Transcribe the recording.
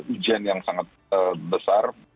ujian yang sangat besar